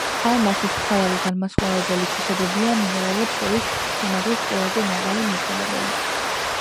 ალმასის მთავარი განმასხვავებელი თვისებებია მინერალებს შორის სიმაგრის ყველაზე მაღალი მაჩვენებელი,